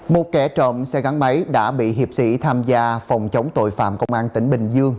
một kẻ trộm xe gắn máy đã bị hiệp sĩ tham gia phòng chống tội phạm công an tỉnh bình dương